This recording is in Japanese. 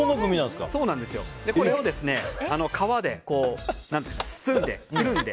これを皮で包んで。